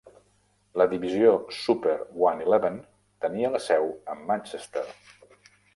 La divisió Super One-Eleven tenia la seu a Manchester.